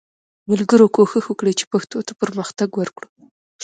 ملګرو کوښښ وکړئ چې پښتو ته پرمختګ ورکړو